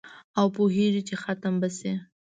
او پوهیږي چي ختم به شي